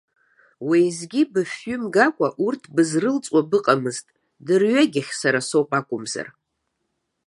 Уеизгьы быфҩы мгакәа урҭ бызрылҵуа быҟамызт, дырҩегьых сара соуп акәымзар.